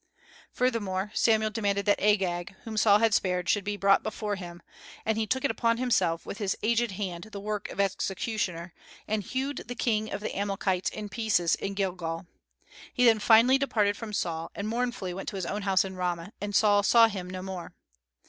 Furthermore Samuel demanded that Agag, whom Saul had spared, should be brought before him; and he took upon himself with his aged hand the work of executioner, and hewed the king of the Amalekites in pieces in Gilgal. He then finally departed from Saul, and mournfully went to his own house in Ramah, and Saul saw him no more.